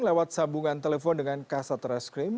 lewat sambungan telepon dengan kasat reskrim